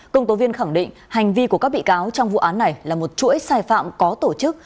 công tố viên khẳng định hành vi của các bị cáo trong vụ án này là một chuỗi sai phạm có tổ chức